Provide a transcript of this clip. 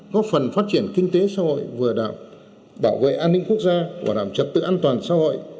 góp phần phát triển kinh tế xã hội vừa đạo bảo vệ an ninh quốc gia bảo đảm trật tự an toàn xã hội